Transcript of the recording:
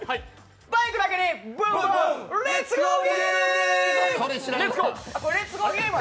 「バイクだけにブンブンレッツゴーゲーム」！